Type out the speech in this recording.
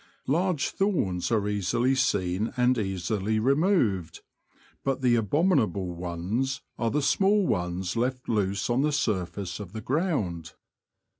Large thorns are easily seen and easily removed, but the abominable ones are the small ones left loose on the surface of the ground.